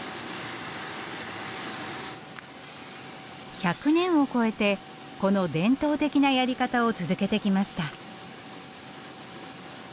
１００年を超えてこの伝統的なやり方を続けてきました。